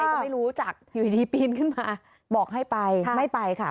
ก็ไม่รู้จักอยู่ดีปีนขึ้นมาบอกให้ไปไม่ไปค่ะ